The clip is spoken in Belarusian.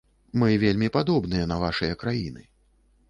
Мы вельмі падобныя на вашыя краіны.